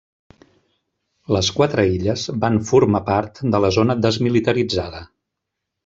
Les quatre illes van formar part de la zona desmilitaritzada.